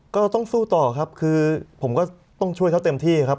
ก็ต้องสู้ต่อครับคือผมก็ต้องช่วยเขาเต็มที่ครับ